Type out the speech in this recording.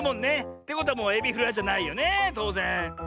ってことはもうエビフライじゃないよねとうぜん。